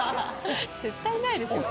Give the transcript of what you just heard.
絶対ないでしょ。